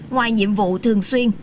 ngoài nhiệm vụ thường xuyên